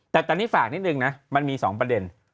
แต่ตอนนี้ฝากนิดนึงนะมันมี๒ประเด็น